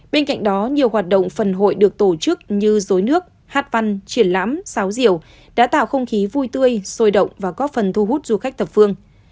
bên cạnh đó nhiều hoạt động phần hội được tổ chức như dối nước hát văn triển lãm sáo diều đã tạo không khí vui tươi sôi động và góp phần thu hút du khách thập phương